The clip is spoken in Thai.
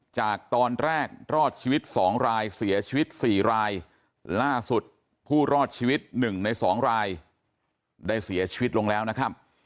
จากตอนแรกรอดชีวิต๒รายเสียชีวิต๔รายล่าสุดผู้รอดชีวิต๑ใน๒รายได้เสียชีวิตลงแล้วนะครับ